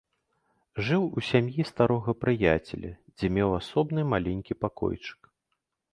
Жыў у сям'і старога прыяцеля, дзе меў асобны маленькі пакойчык.